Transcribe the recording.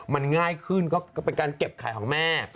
มันง่ายขึ้นก็เป็นการเก็บขายของแม่